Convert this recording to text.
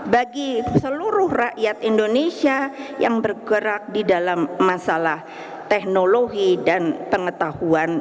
bagi seluruh rakyat indonesia yang bergerak di dalam masalah teknologi dan pengetahuan